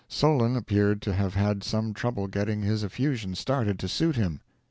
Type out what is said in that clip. Solon appeared to have had some trouble getting his effusion started to suit him.